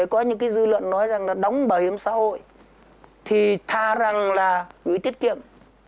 có những dư luận nói rằng đóng bảo hiểm xã hội thì tha rằng là gửi tiết kiệm